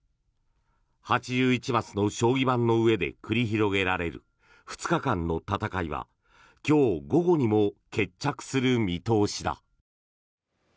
８１マスの将棋盤の上で繰り広げられる２日間の戦いは今日午後にも決着する見通しだ。